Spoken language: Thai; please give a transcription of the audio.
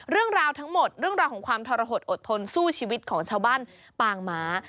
เรื่องราวทั้งหมดเรื่องราวของความทรหดอดทนสู้ชีวิตของชาวบ้านปางม้า